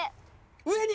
上に！